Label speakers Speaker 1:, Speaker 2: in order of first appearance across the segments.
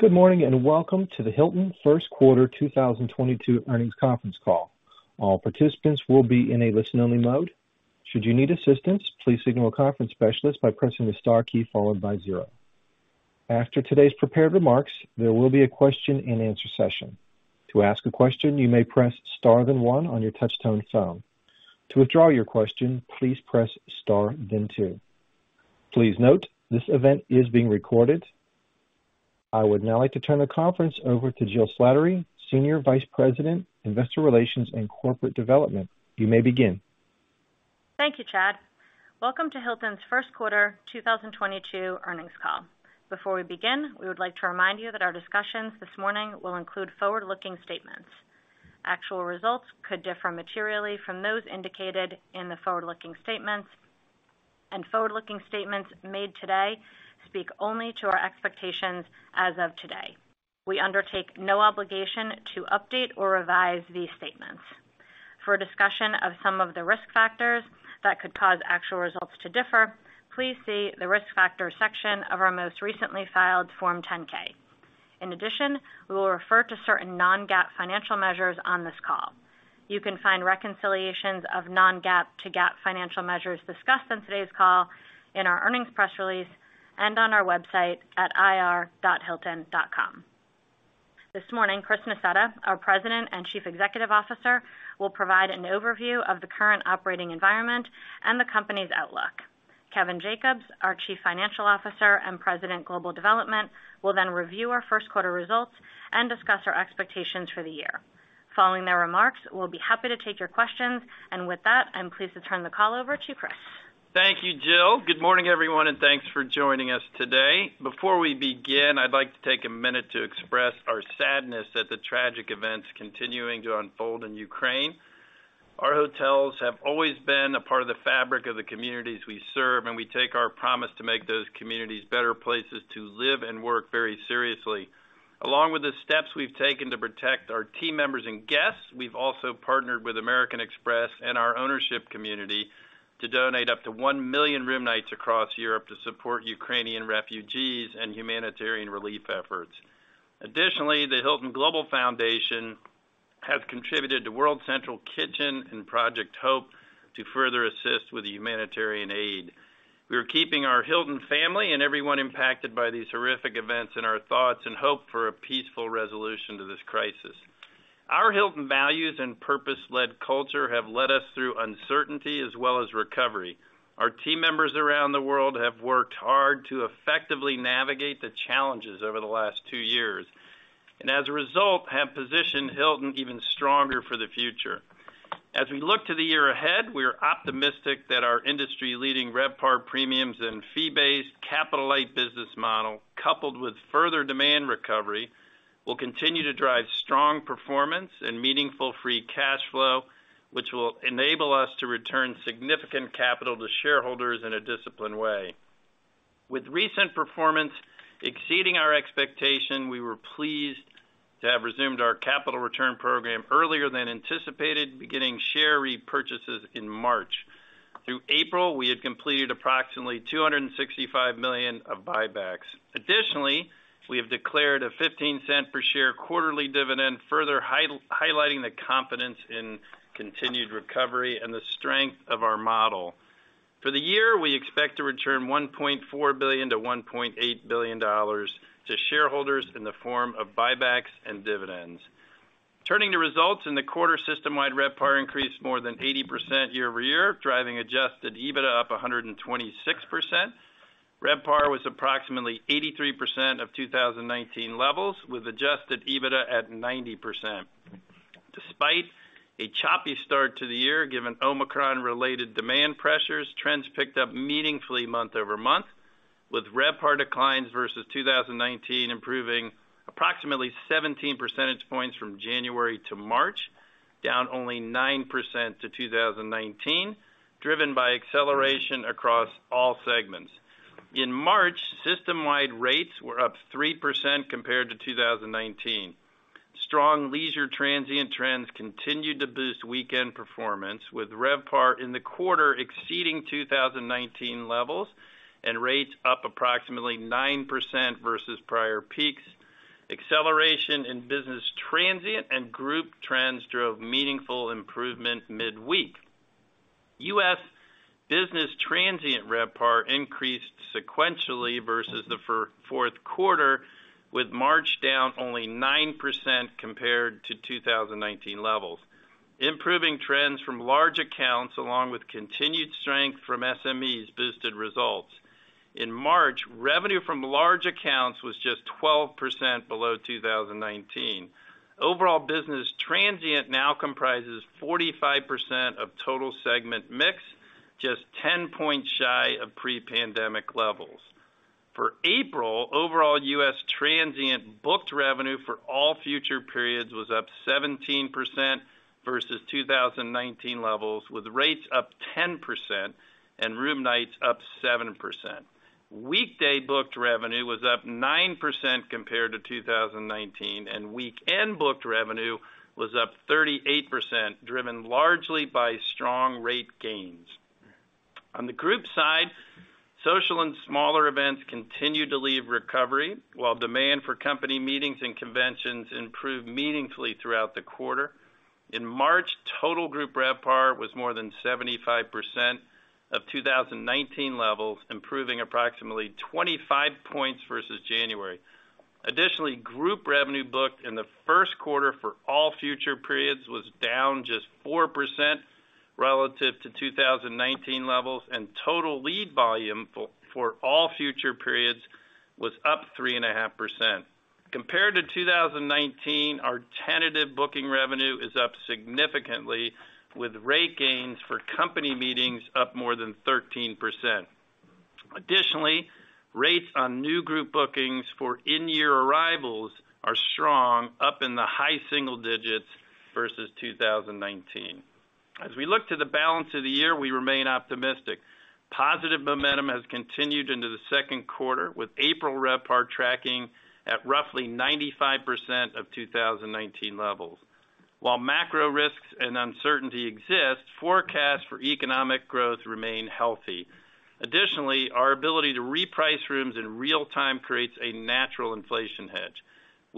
Speaker 1: Good morning, welcome to the Hilton First Quarter 2022 Earnings Conference Call. All participants will be in a listen-only mode. Should you need assistance, please signal a conference specialist by pressing the star key followed by zero. After today's prepared remarks, there will be a question-and-answer session. To ask a question, you may press Star then one on your touchtone phone. To withdraw your question, please press Star then two. Please note, this event is being recorded. I would now like to turn the conference over to Jill Slattery, Senior Vice President, Investor Relations and Corporate Development. You may begin.
Speaker 2: Thank you, Chad. Welcome to Hilton's first quarter 2022 earnings call. Before we begin, we would like to remind you that our discussions this morning will include forward-looking statements. Actual results could differ materially from those indicated in the forward-looking statements, and forward-looking statements made today speak only to our expectations as of today. We undertake no obligation to update or revise these statements. For a discussion of some of the risk factors that could cause actual results to differ, please see the Risk Factors section of our most recently filed Form 10-K. In addition, we will refer to certain non-GAAP financial measures on this call. You can find reconciliations of non-GAAP to GAAP financial measures discussed on today's call in our earnings press release and on our website at ir.hilton.com. This morning, Chris Nassetta, our President and Chief Executive Officer, will provide an overview of the current operating environment and the company's outlook. Kevin Jacobs, our Chief Financial Officer and President, Global Development, will then review our first quarter results and discuss our expectations for the year. Following their remarks, we'll be happy to take your questions. With that, I'm pleased to turn the call over to Chris.
Speaker 3: Thank you, Jill. Good morning, everyone, and thanks for joining us today. Before we begin, I'd like to take a minute to express our sadness at the tragic events continuing to unfold in Ukraine. Our hotels have always been a part of the fabric of the communities we serve, and we take our promise to make those communities better places to live and work very seriously. Along with the steps we've taken to protect our team members and guests, we've also partnered with American Express and our ownership community to donate up to 1 million room nights across Europe to support Ukrainian refugees and humanitarian relief efforts. Additionally, the Hilton Global Foundation has contributed to World Central Kitchen and Project HOPE to further assist with the humanitarian aid. We are keeping our Hilton family and everyone impacted by these horrific events in our thoughts and hope for a peaceful resolution to this crisis. Our Hilton values and purpose-led culture have led us through uncertainty as well as recovery. Our team members around the world have worked hard to effectively navigate the challenges over the last two years, and as a result, have positioned Hilton even stronger for the future. As we look to the year ahead, we are optimistic that our industry-leading RevPAR premiums and fee-based capital-light business model, coupled with further demand recovery, will continue to drive strong performance and meaningful free cash flow, which will enable us to return significant capital to shareholders in a disciplined way. With recent performance exceeding our expectation, we were pleased to have resumed our capital return program earlier than anticipated, beginning share repurchases in March. Through April, we had completed approximately $265 million of buybacks. Additionally, we have declared a $0.15 per share quarterly dividend, further highlighting the confidence in continued recovery and the strength of our model. For the year, we expect to return $1.4 billion-$1.8 billion to shareholders in the form of buybacks and dividends. Turning to results in the quarter, system-wide RevPAR increased more than 80% year-over-year, driving adjusted EBITDA up 126%. RevPAR was approximately 83% of 2019 levels, with adjusted EBITDA at 90%. Despite a choppy start to the year, given Omicron related demand pressures, trends picked up meaningfully month-over-month, with RevPAR declines versus 2019 improving approximately 17 percentage points from January to March, down only 9% to 2019, driven by acceleration across all segments. In March, system-wide rates were up 3% compared to 2019. Strong leisure transient trends continued to boost weekend performance, with RevPAR in the quarter exceeding 2019 levels and rates up approximately 9% versus prior peaks. Acceleration in business transient and group trends drove meaningful improvement midweek. U.S. business transient RevPAR increased sequentially versus the fourth quarter, with March down only 9% compared to 2019 levels. Improving trends from large accounts, along with continued strength from SMEs boosted results. In March, revenue from large accounts was just 12% below 2019. Overall, business transient now comprises 45% of total segment mix, just 10 points shy of pre-pandemic levels. For April, overall U.S. transient booked revenue for all future periods was up 17% versus 2019 levels, with rates up 10% and room nights up 7%. Weekday booked revenue was up 9% compared to 2019, and weekend booked revenue was up 38%, driven largely by strong rate gains. On the group side, social and smaller events continue to lead recovery, while demand for company meetings and conventions improved meaningfully throughout the quarter. In March, total group RevPAR was more than 75% of 2019 levels, improving approximately 25 points versus January. Group revenue booked in the first quarter for all future periods was down just 4% relative to 2019 levels, and total lead volume for all future periods was up 3.5%. Compared to 2019, our tentative booking revenue is up significantly, with rate gains for company meetings up more than 13%. Rates on new group bookings for in-year arrivals are strong, up in the high single digits versus 2019. As we look to the balance of the year, we remain optimistic. Positive momentum has continued into the second quarter, with April RevPAR tracking at roughly 95% of 2019 levels. While macro risks and uncertainty exist, forecasts for economic growth remain healthy. Our ability to reprice rooms in real time creates a natural inflation hedge.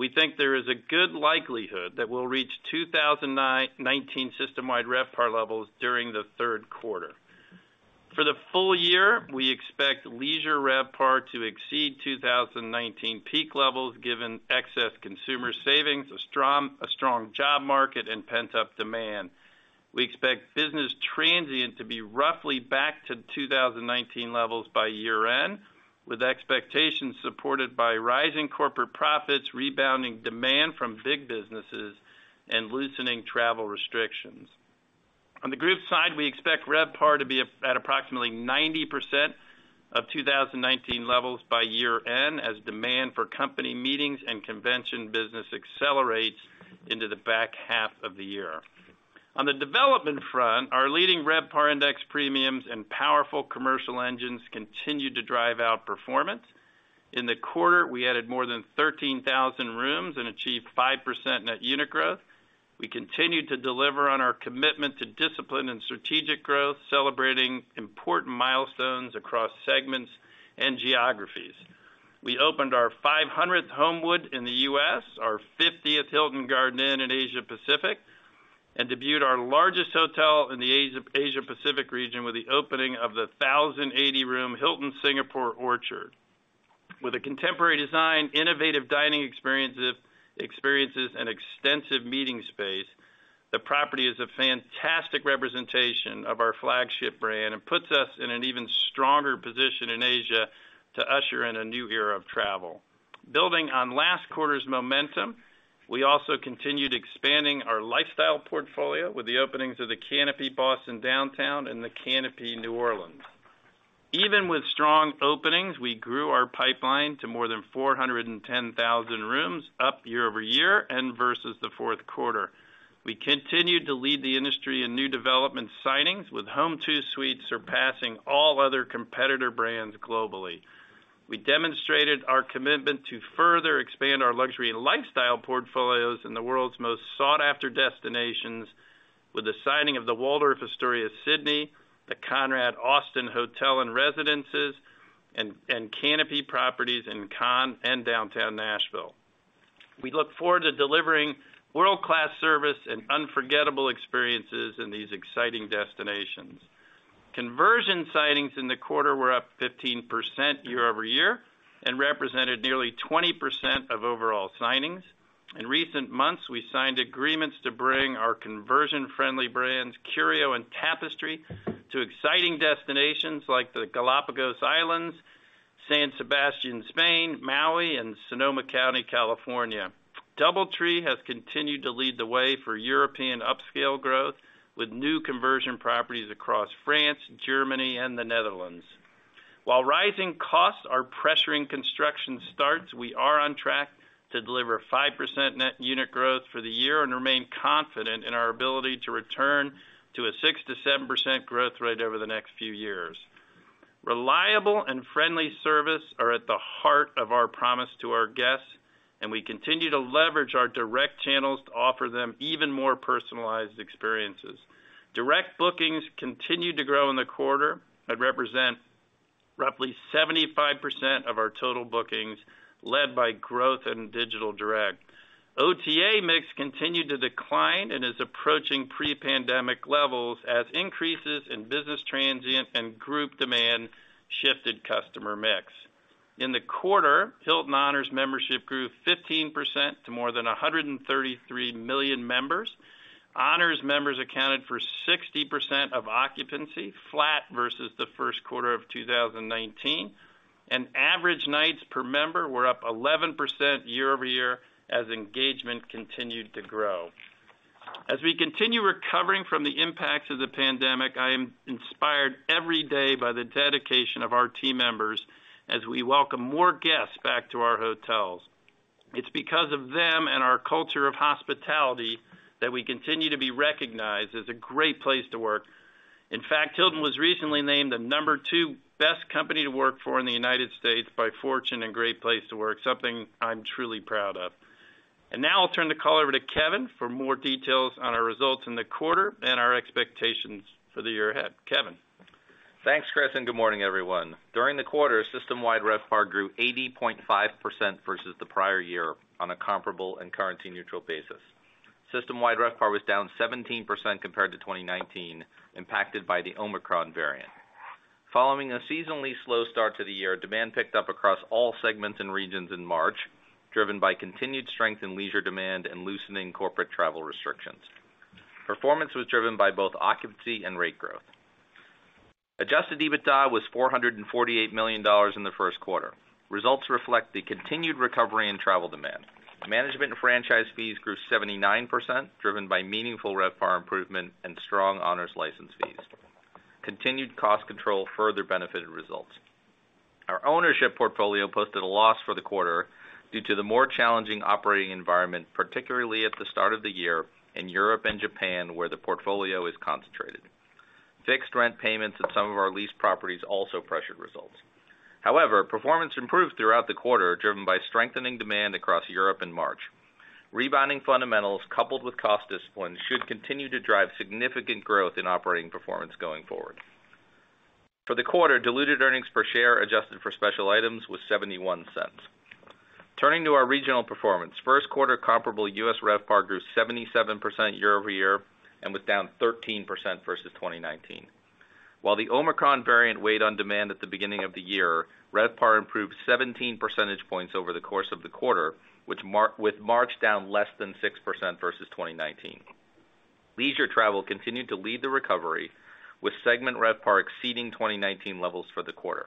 Speaker 3: We think there is a good likelihood that we'll reach 2019 system-wide RevPAR levels during the third quarter. For the full year, we expect leisure RevPAR to exceed 2019 peak levels, given excess consumer savings, a strong job market, and pent-up demand. We expect business transient to be roughly back to 2019 levels by year-end, with expectations supported by rising corporate profits, rebounding demand from big businesses, and loosening travel restrictions. On the group side, we expect RevPAR to be at approximately 90% of 2019 levels by year-end, as demand for company meetings and convention business accelerates into the back half of the year. On the development front, our leading RevPAR index premiums and powerful commercial engines continued to drive outperformance. In the quarter, we added more than 13,000 rooms and achieved 5% net unit growth. We continued to deliver on our commitment to discipline and strategic growth, celebrating important milestones across segments and geographies. We opened our 500th Homewood in the U.S., our 50th Hilton Garden Inn in Asia Pacific, and debuted our largest hotel in the Asia Pacific region with the opening of the 1,080-room Hilton Singapore Orchard. With a contemporary design, innovative dining experiences, and extensive meeting space, the property is a fantastic representation of our flagship brand and puts us in an even stronger position in Asia to usher in a new era of travel. Building on last quarter's momentum, we also continued expanding our lifestyle portfolio with the openings of the Canopy by Hilton Boston Downtown and the Canopy by Hilton New Orleans Downtown. Even with strong openings, we grew our pipeline to more than 410,000 rooms, up year-over-year and versus the fourth quarter. We continued to lead the industry in new development signings, with Home2 Suites surpassing all other competitor brands globally. We demonstrated our commitment to further expand our luxury and lifestyle portfolios in the world's most sought-after destinations with the signing of the Waldorf Astoria Sydney, the Conrad Austin Hotel and Residences, and Canopy properties in Cannes and downtown Nashville. We look forward to delivering world-class service and unforgettable experiences in these exciting destinations. Conversion signings in the quarter were up 15% year-over-year and represented nearly 20% of overall signings. In recent months, we signed agreements to bring our conversion-friendly brands, Curio and Tapestry, to exciting destinations like the Galapagos Islands, San Sebastian, Spain, Maui, and Sonoma County, California. DoubleTree has continued to lead the way for European upscale growth with new conversion properties across France, Germany, and the Netherlands. While rising costs are pressuring construction starts, we are on track to deliver 5% net unit growth for the year and remain confident in our ability to return to a 6%-7% growth rate over the next few years. Reliable and friendly service are at the heart of our promise to our guests, and we continue to leverage our direct channels to offer them even more personalized experiences. Direct bookings continued to grow in the quarter and represent roughly 75% of our total bookings, led by growth in digital direct. OTA mix continued to decline and is approaching pre-pandemic levels as increases in business transient and group demand shifted customer mix. In the quarter, Hilton Honors membership grew 15% to more than 133 million members. Honors members accounted for 60% of occupancy, flat versus the first quarter of 2019, and average nights per member were up 11% year-over-year as engagement continued to grow. As we continue recovering from the impacts of the pandemic, I am inspired every day by the dedication of our team members as we welcome more guests back to our hotels. It's because of them and our culture of hospitality that we continue to be recognized as a Great Place to Work. In fact, Hilton was recently named the number two best company to work for in the United States by Fortune and Great Place to Work, something I'm truly proud of. Now I'll turn the call over to Kevin for more details on our results in the quarter and our expectations for the year ahead. Kevin?
Speaker 4: Thanks, Chris, and good morning, everyone. During the quarter, system-wide RevPAR grew 80.5% versus the prior year on a comparable and currency neutral basis. System-wide RevPAR was down 17% compared to 2019, impacted by the Omicron variant. Following a seasonally slow start to the year, demand picked up across all segments and regions in March, driven by continued strength in leisure demand and loosening corporate travel restrictions. Performance was driven by both occupancy and rate growth. Adjusted EBITDA was $448 million in the first quarter. Results reflect the continued recovery in travel demand. Management and franchise fees grew 79%, driven by meaningful RevPAR improvement and strong honors license fees. Continued cost control further benefited results. Our ownership portfolio posted a loss for the quarter due to the more challenging operating environment, particularly at the start of the year in Europe and Japan, where the portfolio is concentrated. Fixed rent payments at some of our leased properties also pressured results. Performance improved throughout the quarter, driven by strengthening demand across Europe in March. Rebounding fundamentals coupled with cost discipline should continue to drive significant growth in operating performance going forward. For the quarter, diluted earnings per share, adjusted for special items, was $0.71. Turning to our regional performance. First quarter comparable U.S. RevPAR grew 77% year-over-year and was down 13% versus 2019. While the Omicron variant weighed on demand at the beginning of the year, RevPAR improved 17 percentage points over the course of the quarter, with March down less than 6% versus 2019. Leisure travel continued to lead the recovery, with segment RevPAR exceeding 2019 levels for the quarter.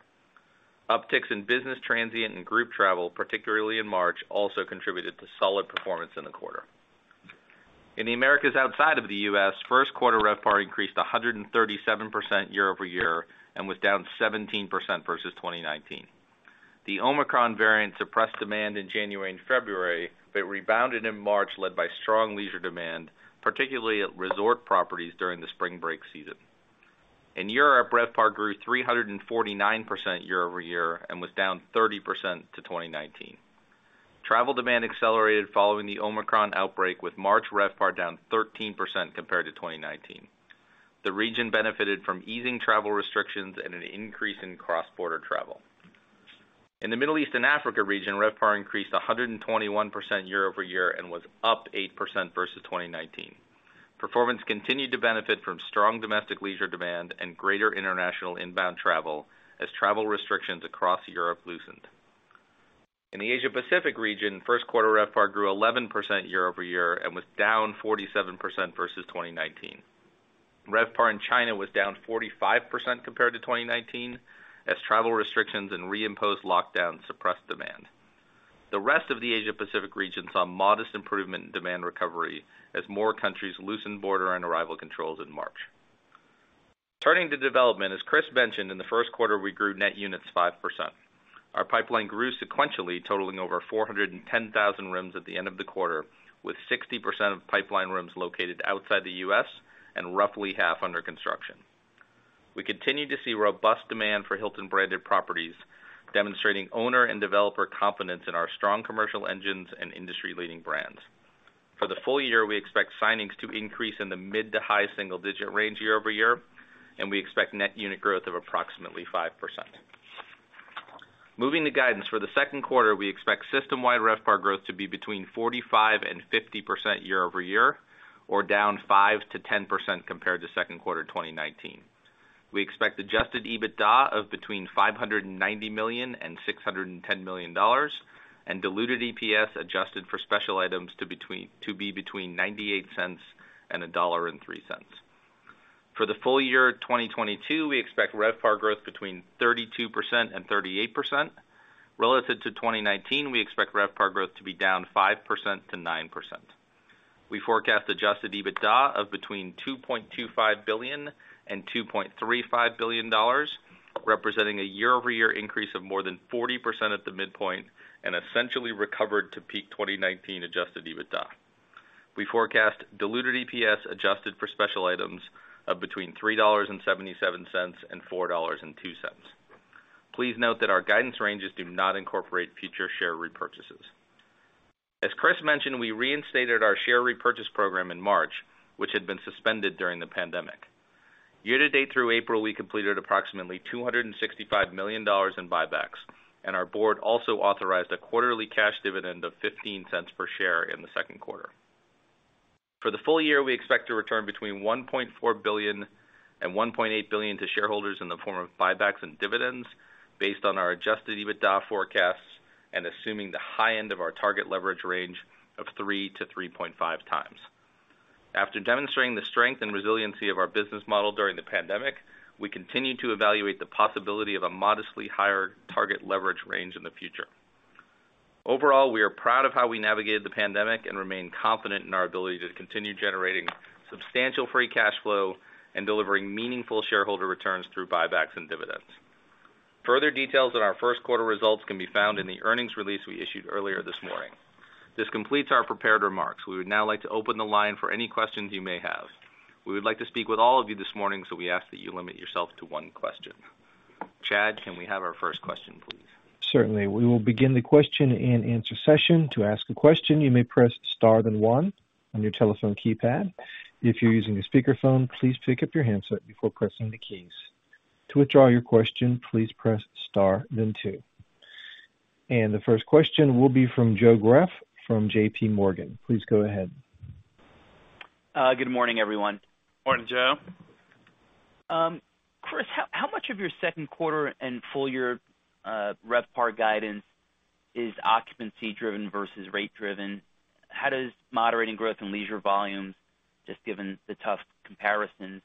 Speaker 4: Upticks in business transient and group travel, particularly in March, also contributed to solid performance in the quarter. In the Americas outside of the U.S., first quarter RevPAR increased 137% year-over-year and was down 17% versus 2019. The Omicron variant suppressed demand in January and February but rebounded in March, led by strong leisure demand, particularly at resort properties during the spring break season. In Europe, RevPAR grew 349% year-over-year and was down 30% to 2019. Travel demand accelerated following the Omicron outbreak, with March RevPAR down 13% compared to 2019. The region benefited from easing travel restrictions and an increase in cross-border travel. In the Middle East and Africa region, RevPAR increased 121% year-over-year and was up 8% versus 2019. Performance continued to benefit from strong domestic leisure demand and greater international inbound travel as travel restrictions across Europe loosened. In the Asia Pacific region, first quarter RevPAR grew 11% year-over-year and was down 47% versus 2019. RevPAR in China was down 45% compared to 2019 as travel restrictions and reimposed lockdowns suppressed demand. The rest of the Asia Pacific region saw modest improvement in demand recovery as more countries loosened border and arrival controls in March. Turning to development, as Chris mentioned, in the first quarter, we grew net units 5%. Our pipeline grew sequentially, totaling over 410,000 rooms at the end of the quarter, with 60% of pipeline rooms located outside the U.S. and roughly half under construction. We continue to see robust demand for Hilton branded properties, demonstrating owner and developer confidence in our strong commercial engines and industry-leading brands. For the full year, we expect signings to increase in the mid to high single-digit range year-over-year, and we expect net unit growth of approximately 5%. Moving to guidance. For the second quarter, we expect system-wide RevPAR growth to be between 45% and 50% year-over-year or down 5%-10% compared to second quarter 2019. We expect adjusted EBITDA of between $590 million and $610 million and diluted EPS adjusted for special items to be between $0.98 and $1.03. For the full year 2022, we expect RevPAR growth between 32% and 38%. Relative to 2019, we expect RevPAR growth to be down 5% to 9%. We forecast adjusted EBITDA of between $2.25 billion and $2.35 billion, representing a year-over-year increase of more than 40% at the midpoint and essentially recovered to peak 2019 adjusted EBITDA. We forecast diluted EPS adjusted for special items of between $3.77 and $4.02. Please note that our guidance ranges do not incorporate future share repurchases. As Chris mentioned, we reinstated our share repurchase program in March, which had been suspended during the pandemic. Year to date through April, we completed approximately $265 million in buybacks, and our board also authorized a quarterly cash dividend of $0.15 per share in the second quarter. For the full year, we expect to return between $1.4 billion and $1.8 billion to shareholders in the form of buybacks and dividends based on our adjusted EBITDA forecasts and assuming the high end of our target leverage range of 3x-3.5x. After demonstrating the strength and resiliency of our business model during the pandemic, we continue to evaluate the possibility of a modestly higher target leverage range in the future. Overall, we are proud of how we navigated the pandemic and remain confident in our ability to continue generating substantial free cash flow and delivering meaningful shareholder returns through buybacks and dividends. Further details on our first quarter results can be found in the earnings release we issued earlier this morning. This completes our prepared remarks. We would now like to open the line for any questions you may have. We would like to speak with all of you this morning, so we ask that you limit yourself to one question. Chad, can we have our first question, please?
Speaker 1: Certainly. We will begin the question and answer session. To ask a question, you may press Star then one on your telephone keypad. If you're using a speakerphone, please pick up your handset before pressing the keys. To withdraw your question, please press star then two. The first question will be from Joe Greff from JPMorgan. Please go ahead.
Speaker 5: Good morning, everyone.
Speaker 3: Morning, Joe.
Speaker 5: Chris, how much of your second quarter and full year RevPAR guidance is occupancy driven versus rate driven? How does moderating growth in leisure volumes, just given the tough comparisons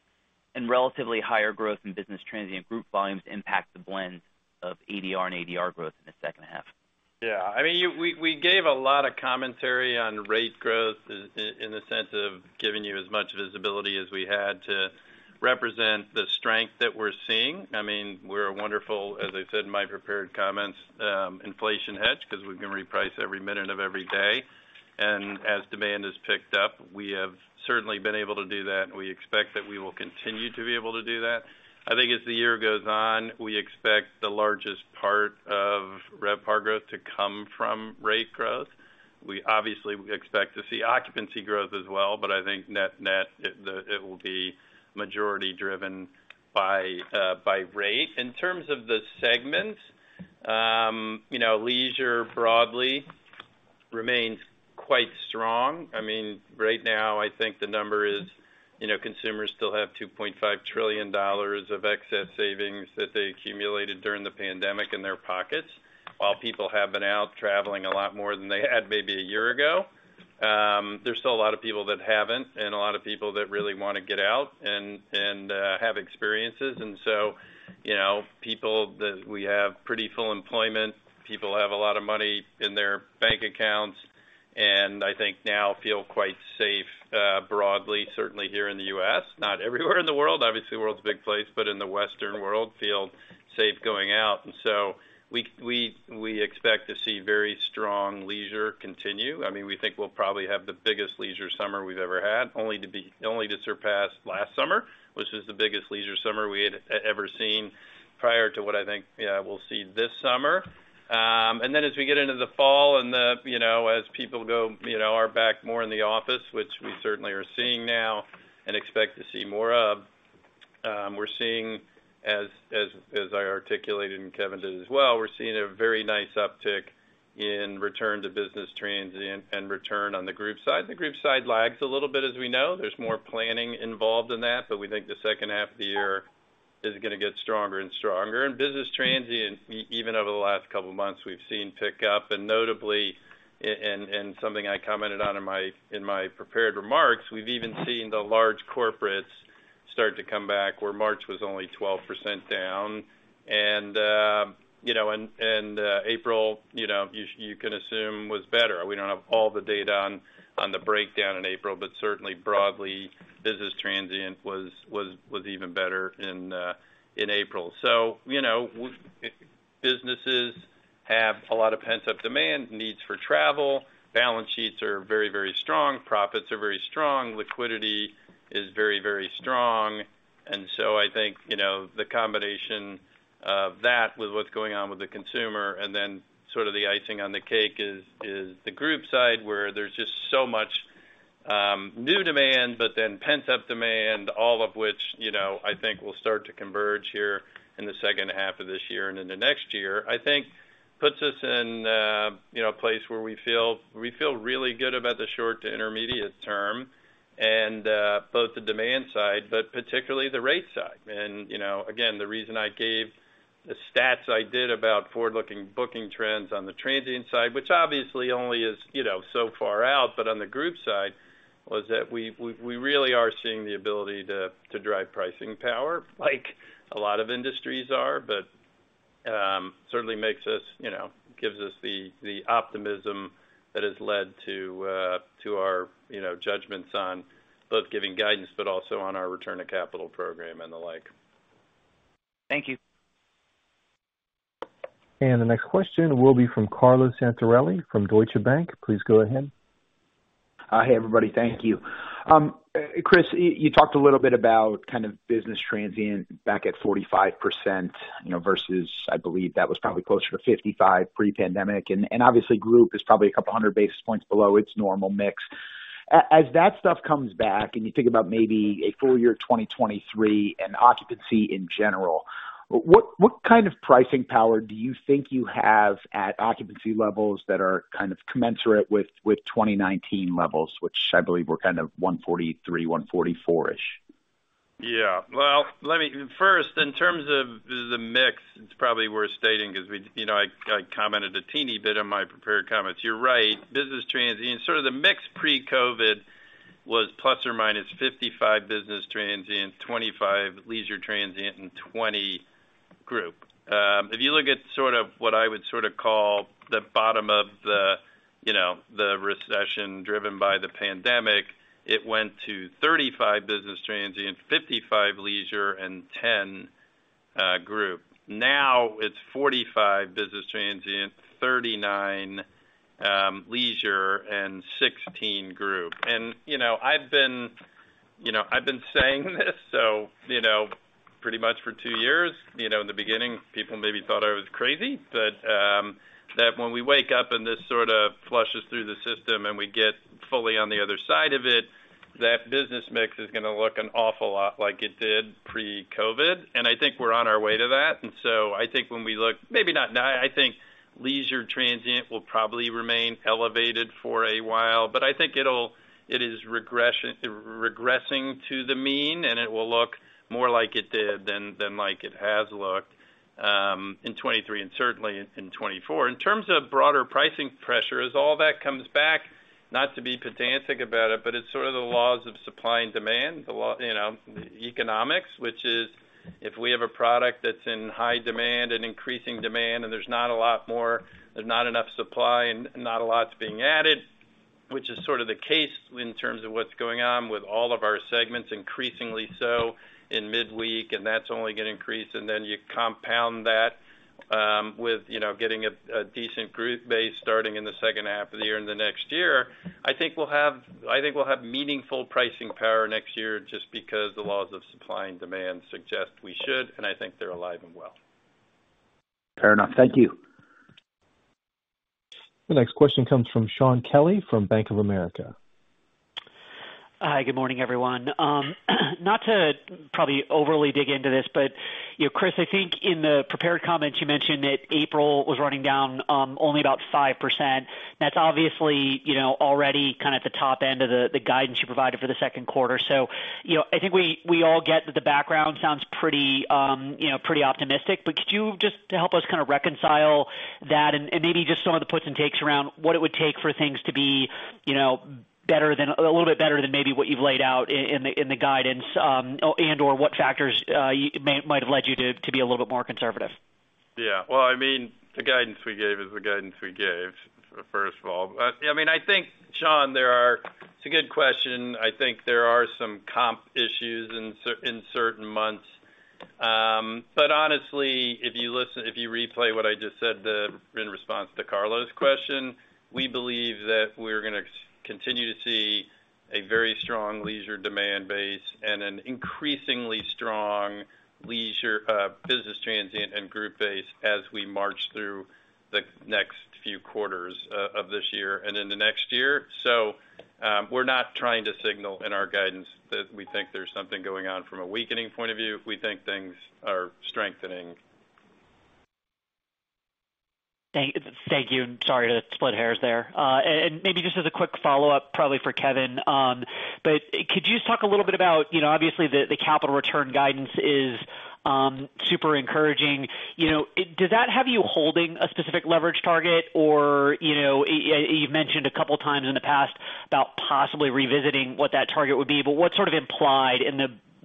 Speaker 5: and relatively higher growth in business transient group volumes impact the blend of ADR and ADR growth in the second half?
Speaker 3: Yeah, I mean, we gave a lot of commentary on rate growth in the sense of giving you as much visibility as we had to represent the strength that we're seeing. I mean, we're a wonderful, as I said in my prepared comments, inflation hedge because we can reprice every minute of every day. As demand has picked up, we have certainly been able to do that. We expect that we will continue to be able to do that. I think as the year goes on, we expect the largest part of RevPAR growth to come from rate growth. We obviously expect to see occupancy growth as well, but I think net-net, it will be majority driven by rate. In terms of the segments, you know, leisure broadly remains quite strong. I mean, right now, I think the number is, you know, consumers still have $2.5 trillion of excess savings that they accumulated during the pandemic in their pockets while people have been out traveling a lot more than they had maybe a year ago. There's still a lot of people that haven't and a lot of people that really wanna get out and have experiences. You know, people that we have pretty full employment, people have a lot of money in their bank accounts, and I think now feel quite safe, broadly, certainly here in the U.S. Not everywhere in the world, obviously, world's a big place, but in the Western world, feel safe going out. We expect to see very strong leisure continue. I mean, we think we'll probably have the biggest leisure summer we've ever had, only to surpass last summer, which is the biggest leisure summer we had ever seen prior to what I think we'll see this summer. As we get into the fall and the, you know, as people go, you know, are back more in the office, which we certainly are seeing now and expect to see more of, we're seeing as I articulated and Kevin did as well, we're seeing a very nice uptick in return to business transient and return on the group side. The group side lags a little bit, as we know. There's more planning involved in that, but we think the second half of the year is gonna get stronger and stronger. Business transient, even over the last couple of months, we've seen pick up. Notably, something I commented on in my prepared remarks, we've even seen the large corporates start to come back where March was only 12% down. April, you can assume was better. We don't have all the data on the breakdown in April, but certainly broadly, business transient was even better in April. You know, businesses have a lot of pent-up demand, needs for travel. Balance sheets are very, very strong. Profits are very strong. Liquidity is very, very strong. I think, you know, the combination of that with what's going on with the consumer and then sort of the icing on the cake is the group side where there's just so much new demand, but then pent-up demand, all of which, you know, I think will start to converge here in the second half of this year and into next year. I think puts us in, you know, a place where we feel really good about the short to intermediate term and both the demand side, but particularly the rate side. You know, again, the reason I gave the stats I did about forward-looking booking trends on the transient side, which obviously only is, you know, so far out, but on the group side, was that we really are seeing the ability to drive pricing power like a lot of industries are, but certainly makes us, you know, gives us the optimism that has led to our, you know, judgments on both giving guidance but also on our return to capital program and the like.
Speaker 5: Thank you.
Speaker 1: The next question will be from Carlo Santarelli from Deutsche Bank. Please go ahead.
Speaker 6: Hey, everybody. Thank you. Chris, you talked a little bit about kind of business transient back at 45%, you know, versus I believe that was probably closer to 55% pre-pandemic. Obviously group is probably a couple hundred basis points below its normal mix. As that stuff comes back and you think about maybe a full year 2023 and occupancy in general, what kind of pricing power do you think you have at occupancy levels that are kind of commensurate with 2019 levels, which I believe were kind of 143, 144-ish?
Speaker 3: Yeah. Well, let me first, in terms of the mix, it's probably worth stating because we, you know, I commented a teeny bit on my prepared comments. You're right. Business transient, sort of the mix pre-COVID was ±55% business transient, 25% leisure transient, and 20% group. If you look at sort of what I would sort of call the bottom of the, you know, recession driven by the pandemic, it went to 35% business transient, 55% leisure, and 10% group. Now it's 45% business transient, 39% leisure, and 16% group. You know, I've been saying this so, you know, pretty much for two years, you know, in the beginning, people maybe thought I was crazy, but that when we wake up and this sort of flushes through the system and we get fully on the other side of it, that business mix is gonna look an awful lot like it did pre-COVID. I think we're on our way to that. I think when we look, maybe not, I think leisure transient will probably remain elevated for a while, but I think it is regressing to the mean, and it will look more like it did than like it has looked in 2023 and certainly in 2024. In terms of broader pricing pressures, all that comes back, not to be pedantic about it, but it's sort of the laws of supply and demand, the law, you know, economics, which is if we have a product that's in high demand and increasing demand, and there's not a lot more, there's not enough supply and not a lot's being added, which is sort of the case in terms of what's going on with all of our segments, increasingly so in midweek, and that's only gonna increase. Then you compound that, with, you know, getting a decent group base starting in the second half of the year and the next year. I think we'll have meaningful pricing power next year just because the laws of supply and demand suggest we should, and I think they're alive and well.
Speaker 6: Fair enough. Thank you.
Speaker 1: The next question comes from Shaun Kelley from Bank of America.
Speaker 7: Hi, good morning, everyone. Not to probably overly dig into this, but you know, Chris, I think in the prepared comments, you mentioned that April was running down only about 5%. That's obviously you know, already kind of at the top end of the guidance you provided for the second quarter. You know, I think we all get that the backdrop sounds pretty you know, pretty optimistic. But could you just help us kind of reconcile that and maybe just some of the puts and takes around what it would take for things to be you know, better than a little bit better than maybe what you've laid out in the guidance, or and/or what factors might have led you to be a little bit more conservative?
Speaker 3: Well, I mean, the guidance we gave is the guidance we gave, first of all. I mean, I think, Shaun, there are. It's a good question. I think there are some comp issues in certain months. Honestly, if you replay what I just said, in response to Carlo's question, we believe that we're gonna continue to see a very strong leisure demand base and an increasingly strong leisure business transient and group base as we march through the next few quarters of this year and in the next year. We're not trying to signal in our guidance that we think there's something going on from a weakening point of view. We think things are strengthening.
Speaker 7: Thank you. Sorry to split hairs there. Maybe just as a quick follow-up, probably for Kevin, but could you just talk a little bit about, you know, obviously the capital return guidance is super encouraging. You know, does that have you holding a specific leverage target? Or, you know, you've mentioned a couple times in the past about possibly revisiting what that target would be, but what's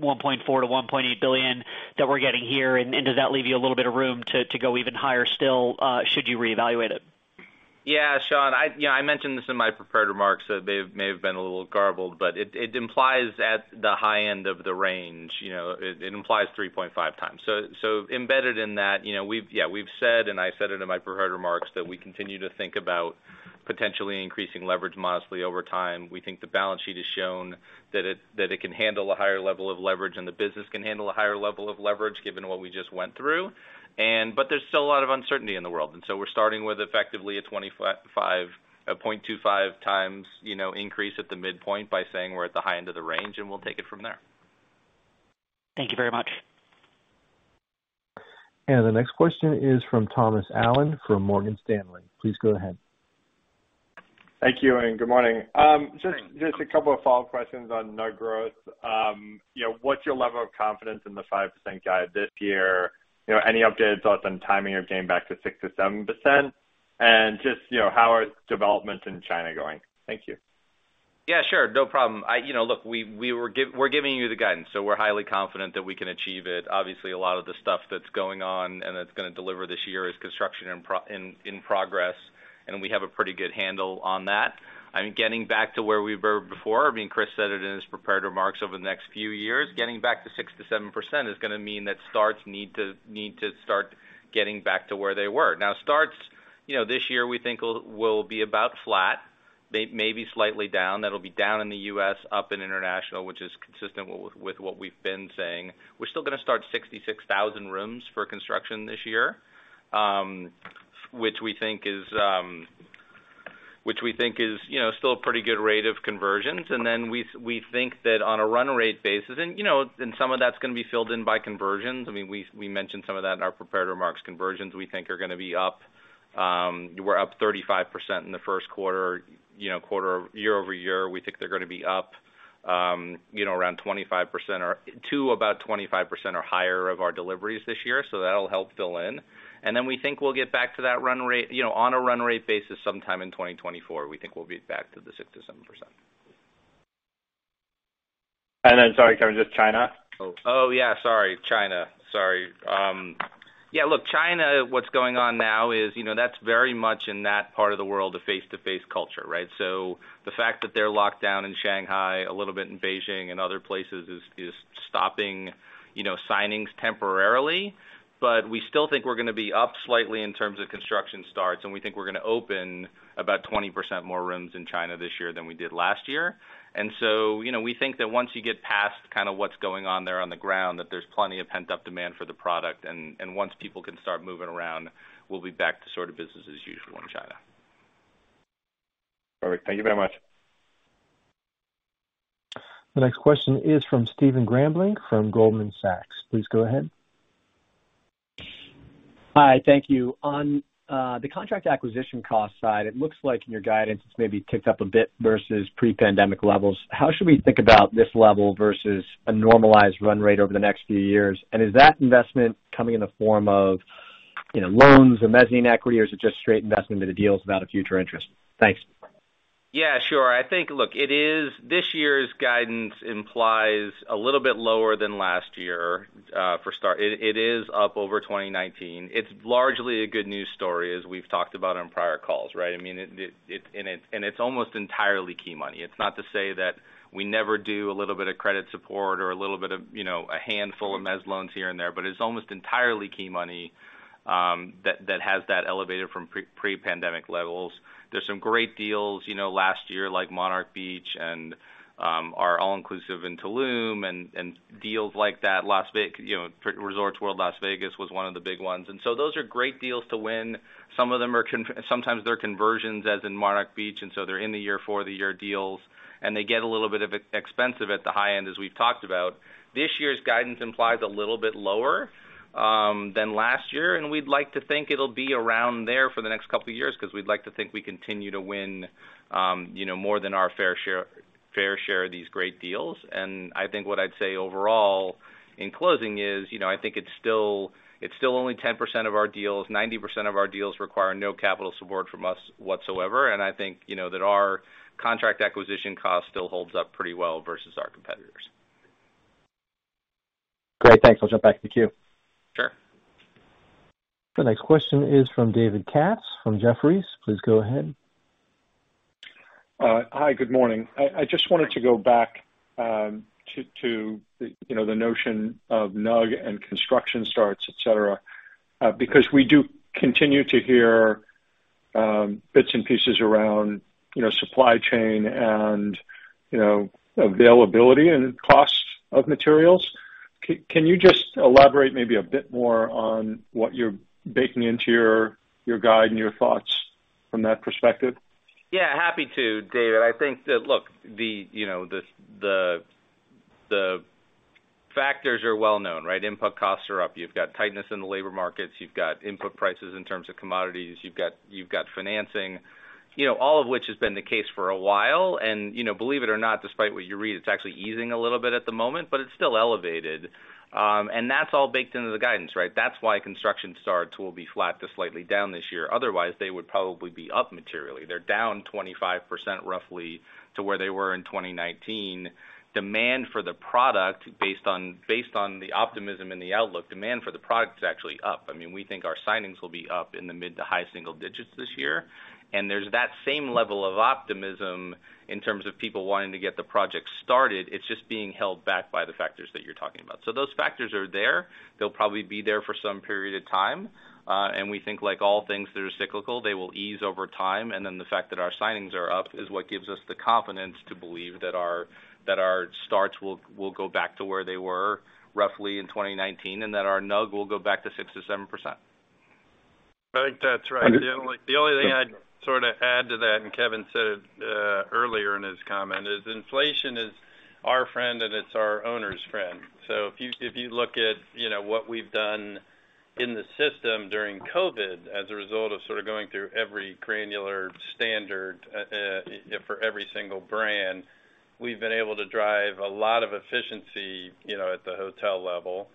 Speaker 7: sort of implied in the $1.4 billion-$1.8 billion that we're getting here, and does that leave you a little bit of room to go even higher still, should you reevaluate it?
Speaker 4: Yeah, Shaun, you know, I mentioned this in my prepared remarks, so they may have been a little garbled, but it implies at the high end of the range, you know, it implies 3.5x. Embedded in that, you know, we've said, and I said it in my prepared remarks, that we continue to think about potentially increasing leverage modestly over time. We think the balance sheet has shown that it can handle a higher level of leverage, and the business can handle a higher level of leverage given what we just went through. There's still a lot of uncertainty in the world. We're starting with effectively a 0.25x, you know, increase at the midpoint by saying we're at the high end of the range, and we'll take it from there.
Speaker 7: Thank you very much.
Speaker 1: The next question is from Thomas Allen from Morgan Stanley. Please go ahead.
Speaker 8: Thank you, and good morning. Just a couple of follow-up questions on NUG. You know, what's your level of confidence in the 5% guide this year? You know, any updated thoughts on timing of getting back to 6%-7%? Just, you know, how are developments in China going? Thank you.
Speaker 4: Yeah, sure. No problem. You know, look, we're giving you the guidance, so we're highly confident that we can achieve it. Obviously, a lot of the stuff that's going on and that's gonna deliver this year is construction in progress, and we have a pretty good handle on that. I mean, getting back to where we were before, I mean, Chris said it in his prepared remarks, over the next few years, getting back to 6%-7% is gonna mean that starts need to start getting back to where they were. Now, starts, you know, this year, we think will be about flat. They may be slightly down. That'll be down in the U.S., up in international, which is consistent with what we've been saying. We're still gonna start 66,000 rooms for construction this year, which we think is, you know, still a pretty good rate of conversions. Then we think that on a run rate basis, you know, and some of that's gonna be filled in by conversions. I mean, we mentioned some of that in our prepared remarks. Conversions, we think, are gonna be up. We're up 35% in the first quarter, you know, year-over-year. We think they're gonna be up, you know, around 25% or to about 25% or higher of our deliveries this year. That'll help fill in. Then we think we'll get back to that run rate, you know, on a run rate basis, sometime in 2024, we think we'll be back to the 6%-7%.
Speaker 8: Sorry, Kevin, just China.
Speaker 4: Yeah, look, China. What's going on now is, you know, that's very much in that part of the world, a face-to-face culture, right? So the fact that they're locked down in Shanghai, a little bit in Beijing and other places is stopping, you know, signings temporarily. We still think we're gonna be up slightly in terms of construction starts, and we think we're gonna open about 20% more rooms in China this year than we did last year. We think that once you get past kinda what's going on there on the ground, that there's plenty of pent-up demand for the product. Once people can start moving around, we'll be back to sort of business as usual in China.
Speaker 8: Perfect. Thank you very much.
Speaker 1: The next question is from Stephen Grambling from Goldman Sachs. Please go ahead.
Speaker 9: Hi, thank you. On the contract acquisition cost side, it looks like in your guidance it's maybe ticked up a bit versus pre-pandemic levels. How should we think about this level versus a normalized run rate over the next few years? Is that investment coming in the form of, you know, loans or mezzanine equity, or is it just straight investment into deals without a future interest? Thanks.
Speaker 4: Yeah, sure. I think, look, this year's guidance implies a little bit lower than last year for starters. It is up over 2019. It's largely a good news story, as we've talked about on prior calls, right? I mean, it's almost entirely key money. It's not to say that we never do a little bit of credit support or a little bit of, you know, a handful of mezz loans here and there, but it's almost entirely key money that has that elevation from pre-pandemic levels. There's some great deals, you know, last year, like Monarch Beach and our all-inclusive in Tulum and deals like that. Las Vegas, you know, Resorts World Las Vegas was one of the big ones. Those are great deals to win. Some of them are conversions. Sometimes they're conversions, as in Monarch Beach, and so they're in the year for the year deals, and they get a little bit expensive at the high end, as we've talked about. This year's guidance implies a little bit lower than last year, and we'd like to think it'll be around there for the next couple of years because we'd like to think we continue to win, you know, more than our fair share of these great deals. I think what I'd say overall in closing is, you know, I think it's still only 10% of our deals. 90% of our deals require no capital support from us whatsoever, and I think, you know, that our contract acquisition cost still holds up pretty well versus our competitors.
Speaker 9: Great. Thanks. I'll jump back to the queue.
Speaker 4: Sure.
Speaker 1: The next question is from David Katz from Jefferies. Please go ahead.
Speaker 10: Hi, good morning. I just wanted to go back to, you know, the notion of NUG and construction starts, et cetera, because we do continue to hear bits and pieces around, you know, supply chain and, you know, availability and costs of materials. Can you just elaborate maybe a bit more on what you're baking into your guide and your thoughts from that perspective?
Speaker 4: Yeah, happy to, David. I think that, look, you know, the factors are well known, right? Input costs are up. You've got tightness in the labor markets. You've got input prices in terms of commodities. You've got financing, you know, all of which has been the case for a while. You know, believe it or not, despite what you read, it's actually easing a little bit at the moment, but it's still elevated. That's all baked into the guidance, right? That's why construction starts will be flat to slightly down this year. Otherwise, they would probably be up materially. They're down 25% roughly to where they were in 2019. Demand for the product based on the optimism and the outlook, demand for the product is actually up. I mean, we think our signings will be up in the mid to high single digits this year. There's that same level of optimism in terms of people wanting to get the project started. It's just being held back by the factors that you're talking about. Those factors are there. They'll probably be there for some period of time. We think, like all things that are cyclical, they will ease over time. The fact that our signings are up is what gives us the confidence to believe that our starts will go back to where they were roughly in 2019 and that our NUG will go back to 6%-7%.
Speaker 3: I think that's right. The only thing I'd sort of add to that, and Kevin said it earlier in his comment, is inflation is our friend, and it's our owner's friend. If you look at what we've done in the system during COVID as a result of sort of going through every granular standard, you know, for every single brand, we've been able to drive a lot of efficiency, you know, at the hotel level.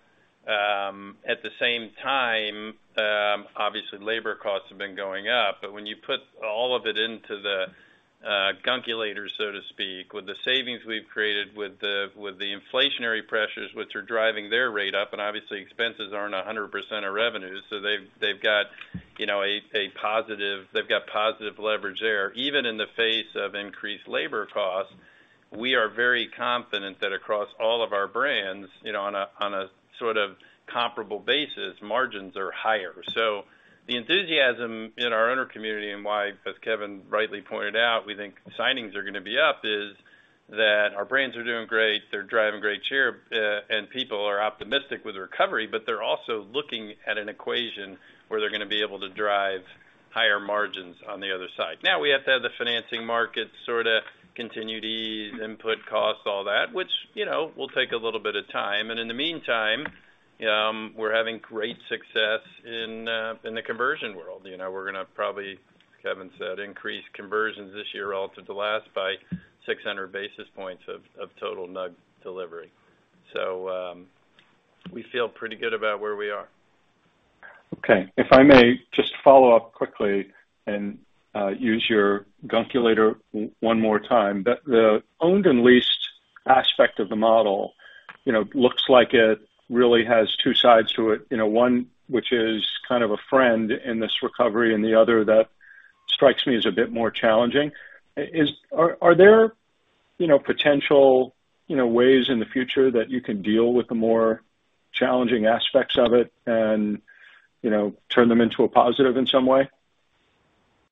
Speaker 3: At the same time, obviously labor costs have been going up. When you put all of it into the gunkulator, so to speak, with the savings we've created, with the inflationary pressures which are driving their rate up, and obviously expenses aren't a hundred percent of revenue, so they've got positive leverage there. Even in the face of increased labor costs, we are very confident that across all of our brands, you know, on a sort of comparable basis, margins are higher. The enthusiasm in our owner community and why, as Kevin rightly pointed out, we think signings are gonna be up is that our brands are doing great. They're driving great share, and people are optimistic with recovery, but they're also looking at an equation where they're gonna be able to drive higher margins on the other side. Now we have to have the financing market sorta continue to ease input costs, all that, which, you know, will take a little bit of time. In the meantime, we're having great success in the conversion world. You know, we're gonna probably, as Kevin said, increase conversions this year relative to last by 600 basis points of total NUG delivery. We feel pretty good about where we are.
Speaker 10: Okay. If I may just follow up quickly and use your gunkulator one more time. The owned and leased aspect of the model, you know, looks like it really has two sides to it, you know, one which is kind of a friend in this recovery and the other that strikes me as a bit more challenging. Are there, you know, potential, you know, ways in the future that you can deal with the more challenging aspects of it and, you know, turn them into a positive in some way?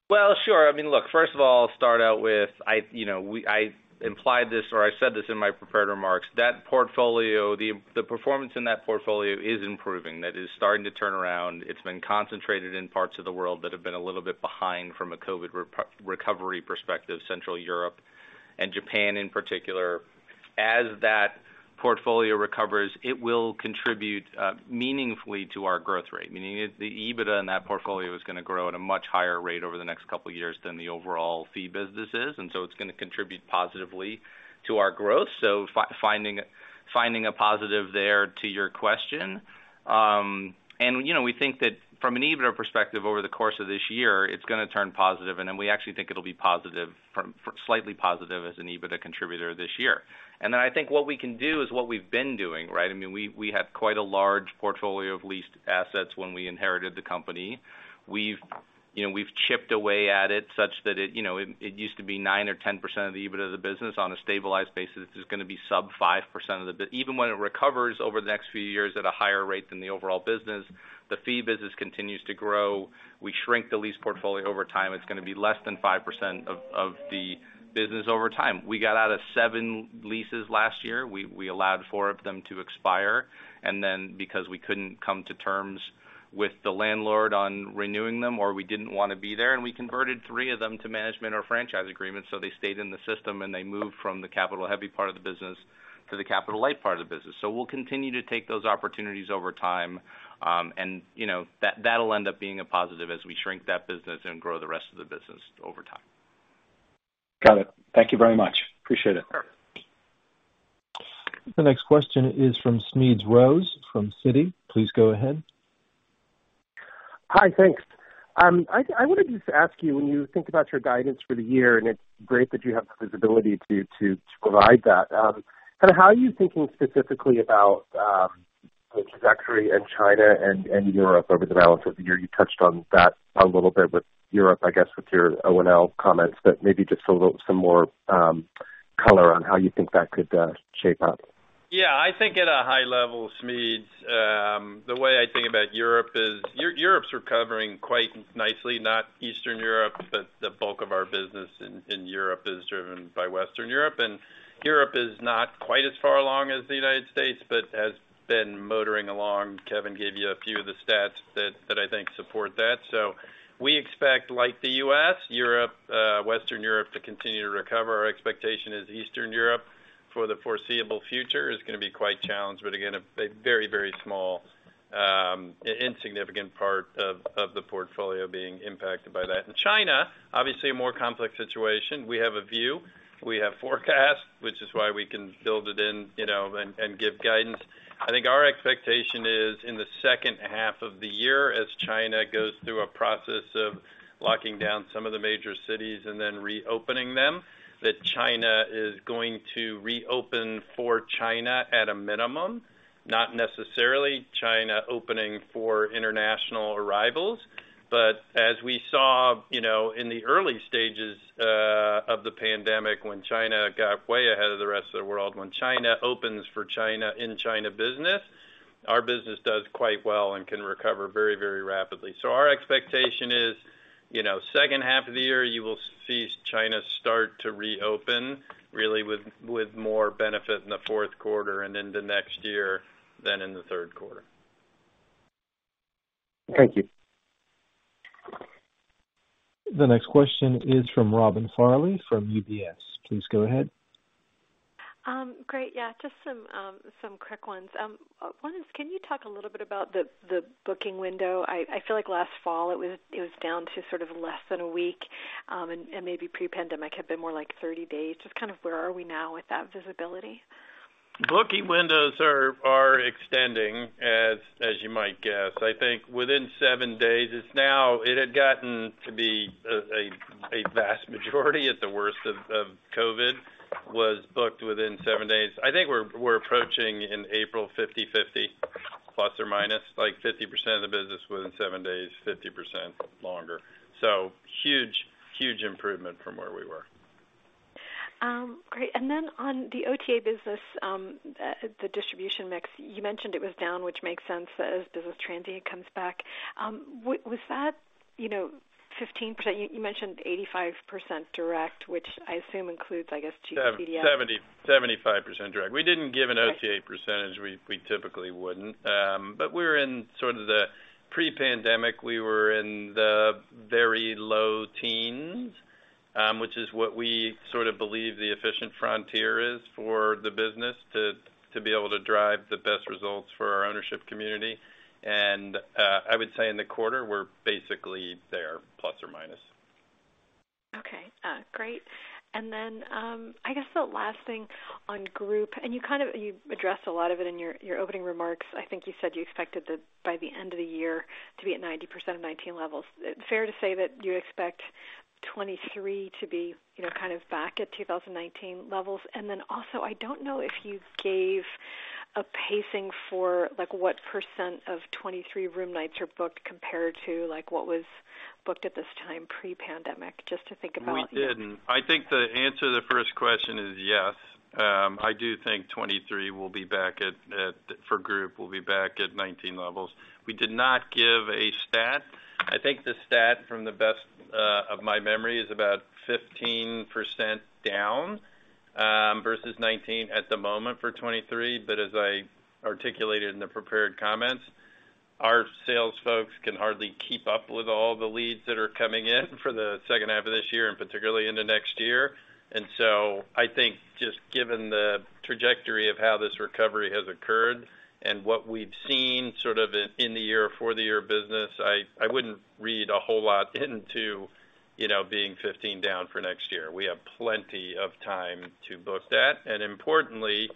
Speaker 4: Well, sure. I mean, look, first of all, I'll start out with, you know, I implied this or I said this in my prepared remarks, that portfolio, the performance in that portfolio is improving. That is starting to turn around. It's been concentrated in parts of the world that have been a little bit behind from a COVID recovery perspective, Central Europe and Japan in particular. As that portfolio recovers, it will contribute meaningfully to our growth rate, meaning it, the EBITDA in that portfolio is gonna grow at a much higher rate over the next couple years than the overall fee businesses is, and so it's gonna contribute positively to our growth. Finding a positive there to your question. You know, we think that from an EBITDA perspective, over the course of this year, it's gonna turn positive. Then we actually think it'll be positive from slightly positive as an EBITDA contributor this year. Then I think what we can do is what we've been doing, right? I mean, we had quite a large portfolio of leased assets when we inherited the company. We've, you know, chipped away at it such that it, you know, it used to be 9% or 10% of the EBITDA of the business. On a stabilized basis, it's gonna be sub-5% of the business. Even when it recovers over the next few years at a higher rate than the overall business, the fee business continues to grow. We shrink the lease portfolio over time. It's gonna be less than 5% of the business over time. We got out of seven leases last year. We allowed four of them to expire. Because we couldn't come to terms with the landlord on renewing them or we didn't wanna be there, and we converted three of them to management or franchise agreements, so they stayed in the system, and they moved from the capital-heavy part of the business to the capital-light part of the business. We'll continue to take those opportunities over time, and, you know, that'll end up being a positive as we shrink that business and grow the rest of the business over time.
Speaker 10: Got it. Thank you very much. Appreciate it.
Speaker 4: Perfect.
Speaker 1: The next question is from Smedes Rose from Citi. Please go ahead.
Speaker 11: Hi, thanks. I wanted just to ask you, when you think about your guidance for the year, and it's great that you have the visibility to provide that, kind of how are you thinking specifically about the trajectory in China and Europe over the balance of the year? You touched on that a little bit with Europe, I guess, with your O&L comments, but maybe just a little, some more color on how you think that could shape up.
Speaker 3: Yeah. I think at a high level, Smedes, the way I think about Europe is Europe's recovering quite nicely, not Eastern Europe, but the bulk of our business in Europe is driven by Western Europe. Europe is not quite as far along as the United States, but has been motoring along. Kevin gave you a few of the stats that I think support that. We expect, like the U.S., Europe, Western Europe to continue to recover. Our expectation is Eastern Europe, for the foreseeable future, is gonna be quite challenged, but again, a very small insignificant part of the portfolio being impacted by that. China, obviously a more complex situation. We have a view. We have forecasts, which is why we can build it in, you know, and give guidance. I think our expectation is in the second half of the year, as China goes through a process of locking down some of the major cities and then reopening them, that China is going to reopen for China at a minimum, not necessarily China opening for international arrivals. As we saw, you know, in the early stages of the pandemic, when China got way ahead of the rest of the world, when China opens for China in China business, our business does quite well and can recover very, very rapidly. Our expectation is, you know, second half of the year, you will see China start to reopen, really with more benefit in the fourth quarter and into next year than in the third quarter.
Speaker 11: Thank you.
Speaker 1: The next question is from Robin Farley from UBS. Please go ahead.
Speaker 12: Great. Yeah, just some quick ones. One is, can you talk a little bit about the booking window? I feel like last fall it was down to sort of less than a week, and maybe pre-pandemic had been more like 30 days. Just kind of where are we now with that visibility?
Speaker 4: Booking windows are extending, as you might guess. I think within seven days, it's now. It had gotten to be a vast majority at the worst of COVID was booked within seven days. I think we're approaching, in April, 50-50±, like 50% of the business within seven days, 50% longer. Huge improvement from where we were.
Speaker 12: Great. On the OTA business, the distribution mix, you mentioned it was down, which makes sense as business transient comes back. Was that, you know, 15%? You mentioned 85% direct, which I assume includes, I guess-.
Speaker 4: 70%-75% direct. We didn't give an OTA percentage. We typically wouldn't. But we're in sort of the pre-pandemic, we were in the very low teens, which is what we sort of believe the efficient frontier is for the business to be able to drive the best results for our ownership community. I would say in the quarter, we're basically there, plus or minus.
Speaker 12: Okay. Great. I guess the last thing on group. You addressed a lot of it in your opening remarks. I think you said you expected that by the end of the year to be at 90% of 2019 levels. Fair to say that you expect 2023 to be, you know, kind of back at 2019 levels? I don't know if you gave a pacing for like what percent of 2023 room nights are booked compared to like what was booked at this time pre-pandemic, just to think about.
Speaker 4: We didn't. I think the answer to the first question is yes. I do think 2023 will be back at 2019 levels for group. We did not give a stat. I think the stat, from the best of my memory, is about 15% down versus 2019 at the moment for 2023. As I articulated in the prepared comments. Our sales folks can hardly keep up with all the leads that are coming in for the second half of this year and particularly into next year. I think just given the trajectory of how this recovery has occurred and what we've seen sort of in the year for the year business, I wouldn't read a whole lot into, you know, being 15 down for next year. We have plenty of time to book that. Importantly,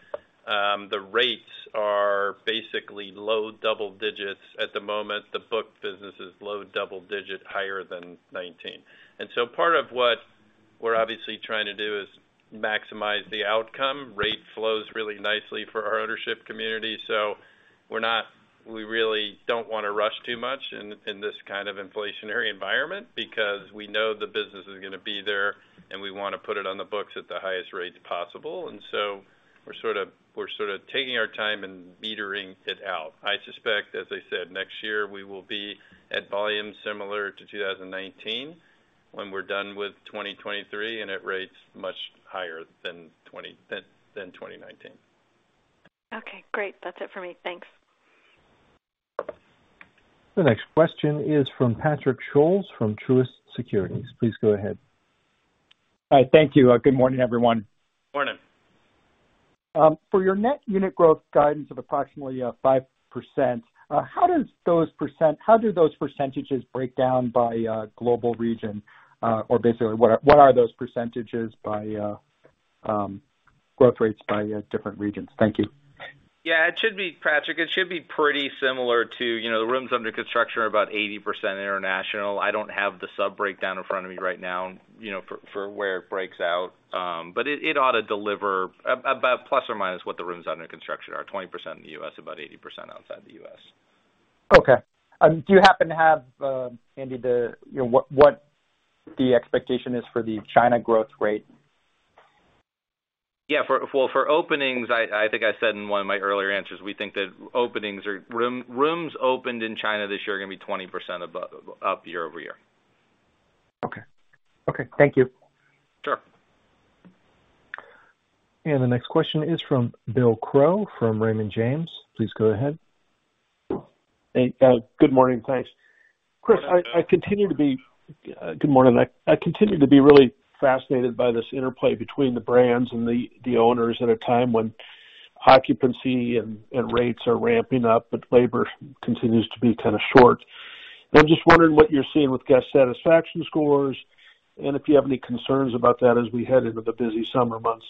Speaker 4: the rates are basically low double digits at the moment. The book business is low double digit, higher than 19. Part of what we're obviously trying to do is maximize the outcome. Rate flows really nicely for our ownership community. We really don't wanna rush too much in this kind of inflationary environment because we know the business is gonna be there, and we wanna put it on the books at the highest rates possible. We're sort of taking our time and metering it out. I suspect, as I said, next year we will be at volume similar to 2019 when we're done with 2023, and at rates much higher than 2019.
Speaker 12: Okay, great. That's it for me. Thanks.
Speaker 1: The next question is from Patrick Scholes from Truist Securities. Please go ahead.
Speaker 13: Hi. Thank you. Good morning, everyone.
Speaker 3: Morning.
Speaker 13: For your net unit growth guidance of approximately 5%, how do those percentages break down by global region? Or basically, what are those percentages by growth rates by different regions? Thank you.
Speaker 4: Yeah, it should be, Patrick. It should be pretty similar to, you know, the rooms under construction are about 80% international. I don't have the sub-breakdown in front of me right now, you know, for where it breaks out. It ought to deliver about plus or minus what the rooms under construction are, 20% in the U.S., about 80% outside the U.S.
Speaker 13: Okay. Do you happen to have, EBITDA, the, you know, what the expectation is for the China growth rate?
Speaker 4: Yeah. Well, for openings, I think I said in one of my earlier answers, we think that rooms opened in China this year are gonna be 20% up year-over-year.
Speaker 13: Okay, thank you.
Speaker 4: Sure.
Speaker 1: The next question is from William Crow from Raymond James. Please go ahead.
Speaker 14: Good morning. Thanks, Chris. I continue to be really fascinated by this interplay between the brands and the owners at a time when occupancy and rates are ramping up, but labor continues to be kinda short. I'm just wondering what you're seeing with guest satisfaction scores, and if you have any concerns about that as we head into the busy summer months.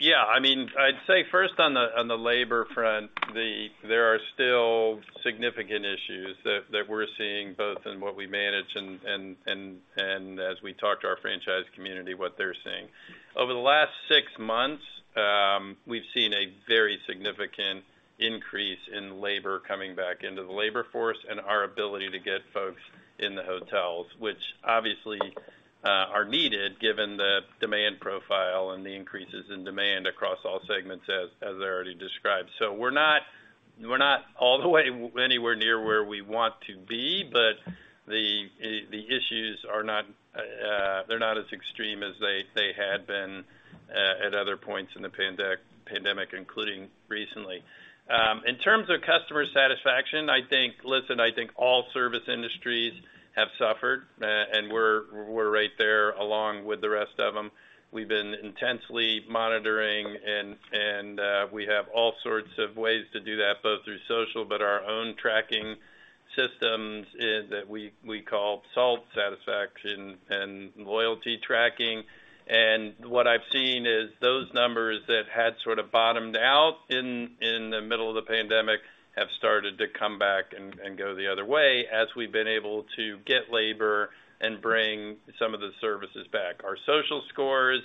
Speaker 3: Yeah, I mean, I'd say first on the labor front, there are still significant issues that we're seeing both in what we manage and as we talk to our franchise community, what they're seeing. Over the last six months, we've seen a very significant increase in labor coming back into the labor force and our ability to get folks in the hotels, which obviously are needed given the demand profile and the increases in demand across all segments as I already described. So we're not all the way anywhere near where we want to be, but the issues are not as extreme as they had been at other points in the pandemic, including recently. In terms of customer satisfaction, I think. Listen, I think all service industries have suffered, and we're right there along with the rest of them. We've been intensely monitoring and we have all sorts of ways to do that, both through social, but our own tracking systems that we call SALT, satisfaction and loyalty tracking. What I've seen is those numbers that had sort of bottomed out in the middle of the pandemic have started to come back and go the other way as we've been able to get labor and bring some of the services back. Our social scores,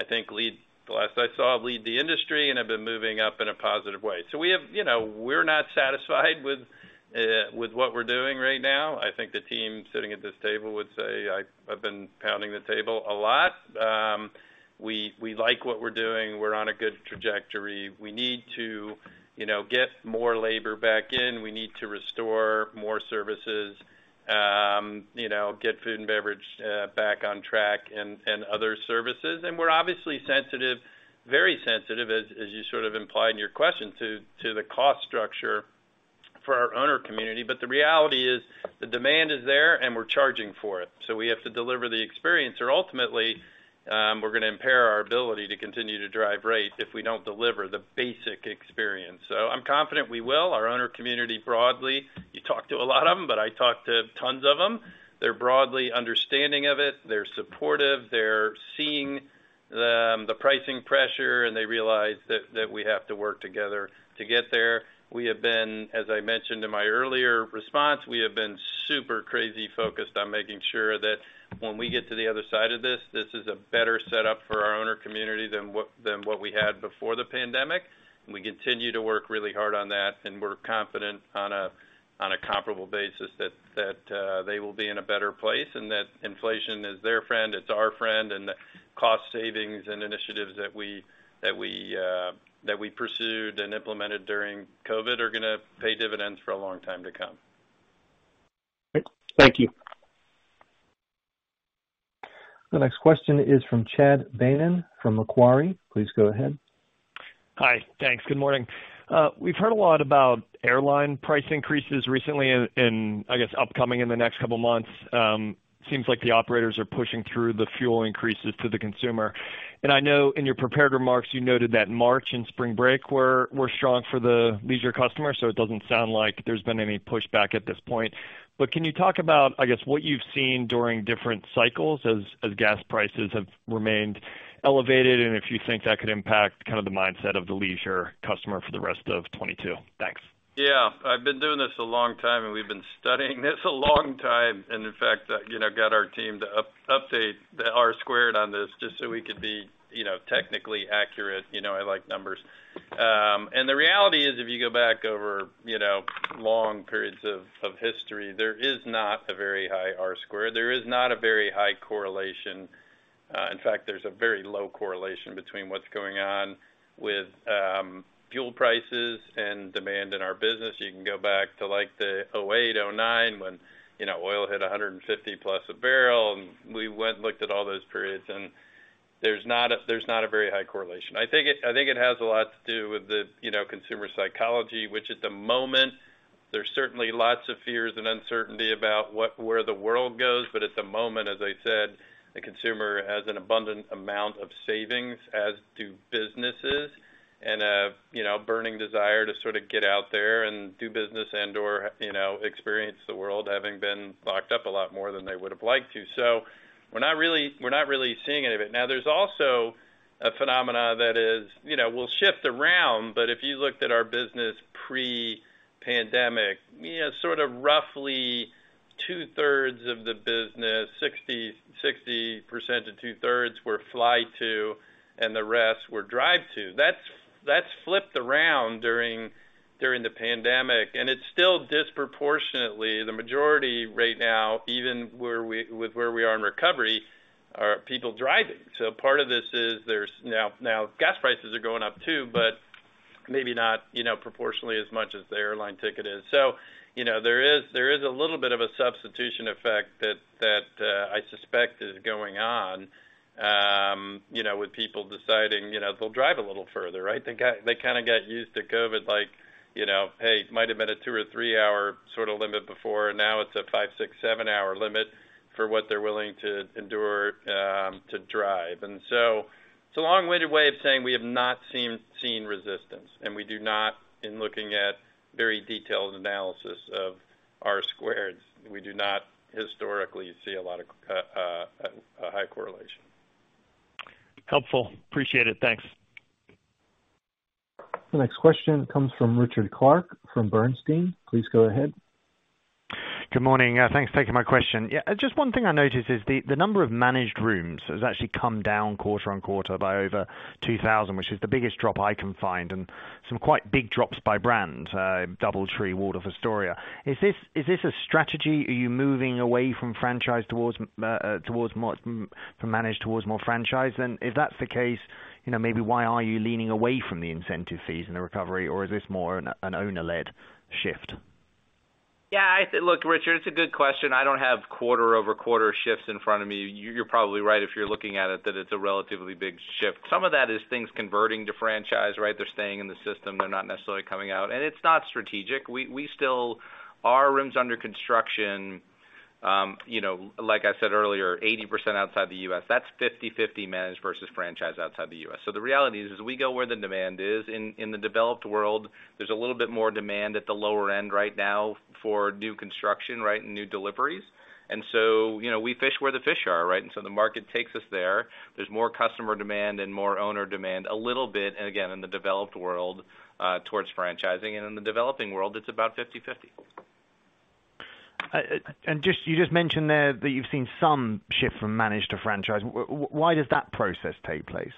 Speaker 3: I think, lead, the last I saw, lead the industry and have been moving up in a positive way. We have, you know, we're not satisfied with what we're doing right now. I think the team sitting at this table would say I've been pounding the table a lot. We like what we're doing. We're on a good trajectory. We need to, you know, get more labor back in. We need to restore more services, you know, get food and beverage back on track and other services. We're obviously sensitive, very sensitive, as you sort of implied in your question, to the cost structure for our owner community. The reality is, the demand is there, and we're charging for it. We have to deliver the experience, or ultimately, we're gonna impair our ability to continue to drive rate if we don't deliver the basic experience. I'm confident we will. Our owner community broadly, you talk to a lot of them, but I talk to tons of them, they're broadly understanding of it. They're supportive. They're seeing the pricing pressure, and they realize that we have to work together to get there. We have been, as I mentioned in my earlier response, we have been super crazy focused on making sure that when we get to the other side of this is a better setup for our owner community than what we had before the pandemic. We continue to work really hard on that, and we're confident on a comparable basis that they will be in a better place, and that inflation is their friend, it's our friend, and the cost savings and initiatives that we pursued and implemented during COVID are gonna pay dividends for a long time to come.
Speaker 14: Great. Thank you.
Speaker 1: The next question is from Chad Beynon from Macquarie. Please go ahead.
Speaker 15: Hi. Thanks. Good morning. We've heard a lot about airline price increases recently, I guess, upcoming in the next couple of months. Seems like the operators are pushing through the fuel increases to the consumer. I know in your prepared remarks you noted that March and spring break were strong for the leisure customers, so it doesn't sound like there's been any pushback at this point. Can you talk about, I guess, what you've seen during different cycles as gas prices have remained elevated, and if you think that could impact kind of the mindset of the leisure customer for the rest of 2022? Thanks.
Speaker 3: Yeah. I've been doing this a long time, and we've been studying this a long time. In fact, I you know got our team to update the R squared on this just so we could be you know technically accurate. You know I like numbers. The reality is if you go back over you know long periods of history, there is not a very high R squared. There is not a very high correlation. In fact, there's a very low correlation between what's going on with fuel prices and demand in our business. You can go back to like the 2008, 2009, when you know oil hit 150+ a barrel, and we went and looked at all those periods, and there's not a very high correlation. I think it has a lot to do with the, you know, consumer psychology, which at the moment there's certainly lots of fears and uncertainty about where the world goes. At the moment, as I said, the consumer has an abundant amount of savings, as do businesses, and a, you know, burning desire to sort of get out there and do business and/or, you know, experience the world, having been locked up a lot more than they would have liked to. We're not really seeing any of it. Now, there's also a phenomenon that is, you know, will shift around, but if you looked at our business pre-pandemic, you know, sort of roughly 2/3 of the business, 60% to two-thirds were fly to, and the rest were drive to. That's flipped around during the pandemic, and it's still disproportionately the majority right now, even with where we are in recovery, are people driving. So part of this is now gas prices are going up too, but maybe not, you know, proportionally as much as the airline ticket is. So, you know, there is a little bit of a substitution effect that I suspect is going on, you know, with people deciding, you know, they'll drive a little further, right? They kinda get used to COVID, like, you know, hey, might have been a two or three-hour sort of limit before, and now it's a five, six, seven-hour limit for what they're willing to endure to drive. It's a long-winded way of saying we have not seen resistance, and we do not. In looking at very detailed analysis of R-squareds, we do not historically see a lot of a high correlation.
Speaker 15: Helpful. Appreciate it. Thanks.
Speaker 1: The next question comes from Richard Clarke from Bernstein. Please go ahead.
Speaker 16: Good morning. Thanks for taking my question. Yeah, just one thing I noticed is the number of managed rooms has actually come down quarter-over-quarter by over 2,000, which is the biggest drop I can find, and some quite big drops by brand, DoubleTree, Waldorf Astoria. Is this a strategy? Are you moving away from managed towards more franchise? If that's the case, you know, maybe why are you leaning away from the incentive fees in the recovery, or is this more an owner-led shift?
Speaker 4: Look, Richard, it's a good question. I don't have quarter-over-quarter shifts in front of me. You're probably right if you're looking at it, that it's a relatively big shift. Some of that is things converting to franchise, right? They're staying in the system. They're not necessarily coming out. It's not strategic. Our rooms under construction, you know, like I said earlier, 80% outside the U.S. That's 50/50 managed versus franchise outside the U.S. The reality is we go where the demand is. In the developed world, there's a little bit more demand at the lower end right now for new construction, right, and new deliveries. You know, we fish where the fish are, right? The market takes us there. There's more customer demand and more owner demand, a little bit, and again, in the developed world, towards franchising. In the developing world, it's about 50/50.
Speaker 16: You just mentioned there that you've seen some shift from managed to franchise. Why does that process take place?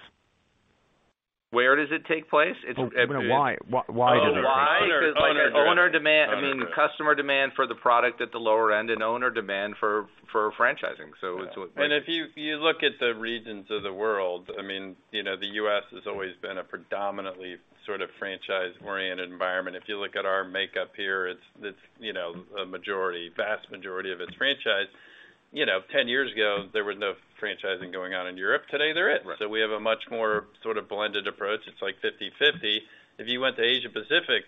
Speaker 4: Where does it take place?
Speaker 16: Well, why? Why does it take place?
Speaker 4: Oh, why? Because owner demand—I mean, customer demand for the product at the lower end and owner demand for franchising. It's what makes
Speaker 3: if you look at the regions of the world, I mean, you know, the U.S. has always been a predominantly sort of franchise-oriented environment. If you look at our makeup here, it's you know, a majority, vast majority of it's franchise. You know, 10 years ago, there was no franchising going on in Europe. Today there is. Right. We have a much more sort of blended approach. It's like 50/50. If you went to Asia Pacific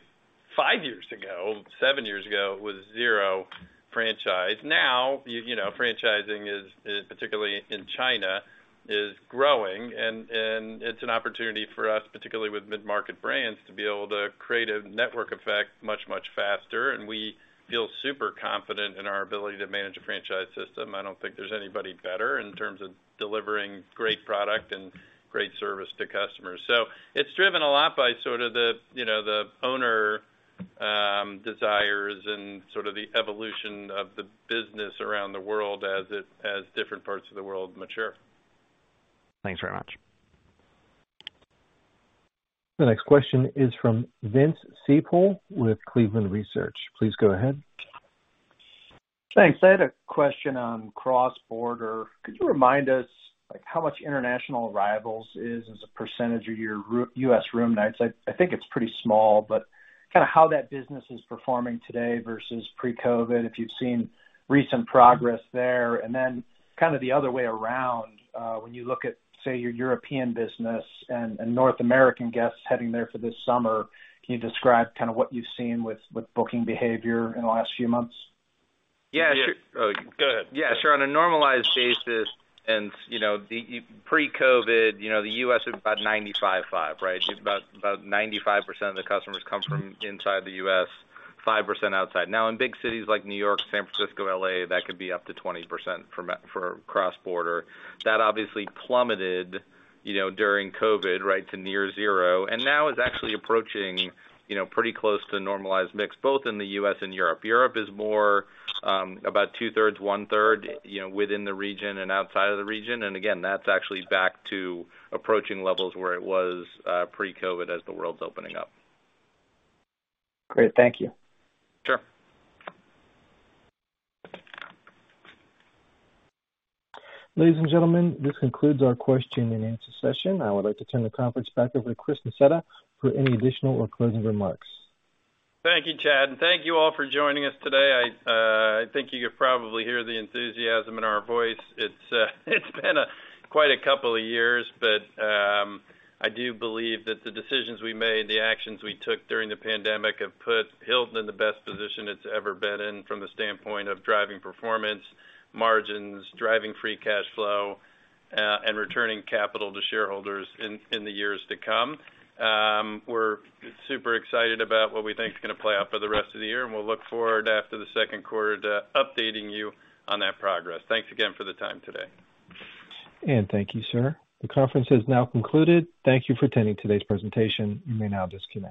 Speaker 3: five years ago, seven years ago, it was zero franchise. Now, you know, franchising is particularly in China, is growing and it's an opportunity for us, particularly with mid-market brands, to be able to create a network effect much faster. We feel super confident in our ability to manage a franchise system. I don't think there's anybody better in terms of delivering great product and great service to customers. It's driven a lot by sort of the, you know, the owner desires and sort of the evolution of the business around the world as different parts of the world mature.
Speaker 16: Thanks very much.
Speaker 1: The next question is from Vince Ciepiel with Cleveland Research. Please go ahead.
Speaker 17: Thanks. I had a question on cross-border. Could you remind us, like, how much international arrivals is as a percentage of your U.S. room nights? I think it's pretty small, but kinda how that business is performing today versus pre-COVID, if you've seen recent progress there. Then kind of the other way around, when you look at, say, your European business and North American guests heading there for this summer, can you describe kind of what you've seen with booking behavior in the last few months?
Speaker 4: Yeah, sure. On a normalized basis and, you know, pre-COVID, you know, the U.S. was about 95-5, right? About 95% of the customers come from inside the U.S., 5% outside. Now, in big cities like New York, San Francisco, L.A., that could be up to 20% for cross-border. That obviously plummeted, you know, during COVID, right, to near zero, and now is actually approaching, you know, pretty close to normalized mix both in the U.S. and Europe. Europe is more about two-thirds, one-third, you know, within the region and outside of the region. Again, that's actually back to approaching levels where it was pre-COVID as the world's opening up.
Speaker 17: Great. Thank you.
Speaker 4: Sure.
Speaker 1: Ladies and gentlemen, this concludes our question and answer session. I would like to turn the conference back over to Chris Nassetta for any additional or closing remarks.
Speaker 3: Thank you, Chad, and thank you all for joining us today. I think you could probably hear the enthusiasm in our voice. It's been quite a couple of years, but I do believe that the decisions we made, the actions we took during the pandemic have put Hilton in the best position it's ever been in from the standpoint of driving performance, margins, driving free cash flow, and returning capital to shareholders in the years to come. We're super excited about what we think is gonna play out for the rest of the year, and we'll look forward after the second quarter to updating you on that progress. Thanks again for the time today.
Speaker 1: Thank you, sir. The conference has now concluded. Thank you for attending today's presentation. You may now disconnect.